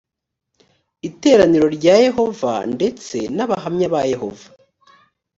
iteraniro rya yehova ndetse nabahamya bayehova